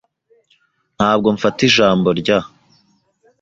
Ntabwo mfata ijambo rya .